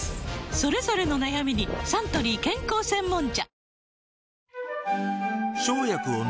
それぞれの悩みにサントリー健康専門茶